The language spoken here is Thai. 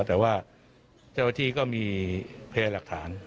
แต่ว่าเจ้าหน้าที่ก็มีพยายามหลักฐาน